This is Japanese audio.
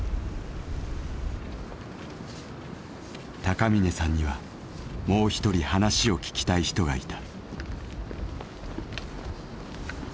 高峰さんにはもう一人話を聞きたい人がいた。